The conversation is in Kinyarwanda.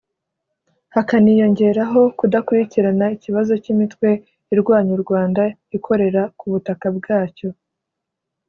hakaniyongeraho kudakurikirana ikibazo cy’imitwe irwanya u Rwanda ikorera ku butaka bwacyo